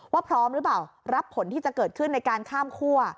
พร้อมหรือเปล่ารับผลที่จะเกิดขึ้นในการข้ามคั่ว